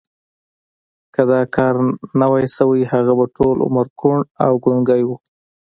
که دا کار نه وای شوی هغه به ټول عمر کوڼ او ګونګی و